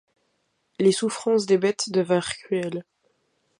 Les souffrances des bêtes devinrent cruelles.